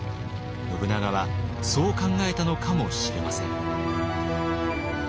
信長はそう考えたのかもしれません。